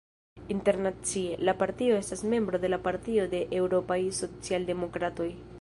Internacie, la partio estas membro de la Partio de Eŭropaj Socialdemokratoj.